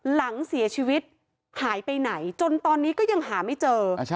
หลังเสียชีวิตหายไปไหนจนตอนนี้ก็ยังหาไม่เจอ